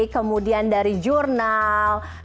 kemudian dari jurnal